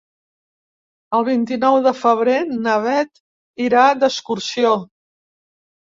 El vint-i-nou de febrer na Bet irà d'excursió.